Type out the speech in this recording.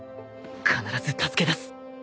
必ず助け出す。